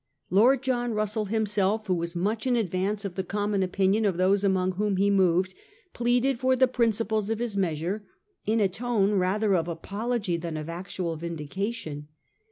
Lord John Russell himself, who was much in advance of the common opinion of those among whom he moved, pleaded for the principles of his measure in a tone rather of apo logy than of actual vindication.